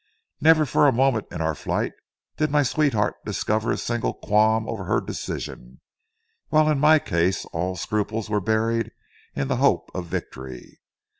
Never for a moment in our flight did my sweetheart discover a single qualm over her decision, while in my case all scruples were buried in the hope of victory.